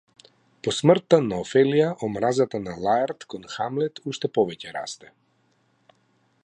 По смртта на Офелија омразата на Лаерт кон Хамлет уште повеќе расте.